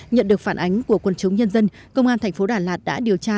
nhận được phản ánh của quân chống nhân dân công an tp đà lạt đã điều tra